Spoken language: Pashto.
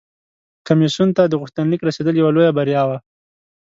کمیسیون ته د غوښتنلیک رسیدل یوه لویه بریا وه